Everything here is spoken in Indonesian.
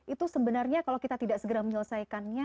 itu sebenarnya kalau kita tidak segera menyelesaikannya